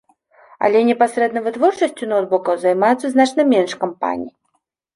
Але непасрэдна вытворчасцю ноўтбукаў займаюцца значна менш кампаній.